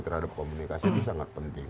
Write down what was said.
terhadap komunikasi ini sangat penting